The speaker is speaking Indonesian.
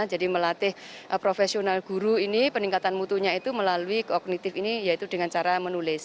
jadi melatih profesional guru ini peningkatan mutunya itu melalui kognitif ini yaitu dengan cara menulis